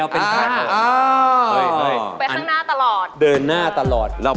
๒เป็น๕ครับ